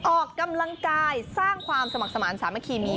ออกกำลังกายสร้างความสมัครสมาธิสามัคคีมี